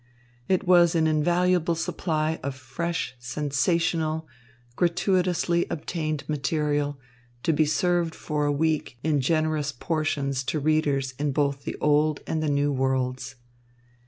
It was an invaluable supply of fresh, sensational, gratuitously obtained material, to be served for a week in generous portions to readers in both the old and the new worlds.